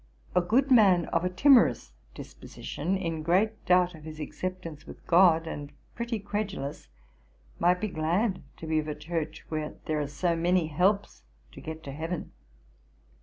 A good man of a timorous disposition, in great doubt of his acceptance with GOD, and pretty credulous, might be glad to be of a church where there, are so many helps to get to Heaven.